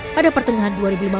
pada pertengahan dua ribu lima belas